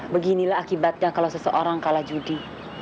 beginilah akibatnya kalau seseorang kalah judi